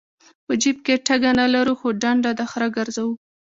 په جیب کې ټکه نه لرو خو ډنډه د خره ګرځو.